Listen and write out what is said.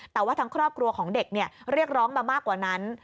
แต่ว่าทั้งครอบครัวของเด็กเรียกร้องมามากกว่านั้น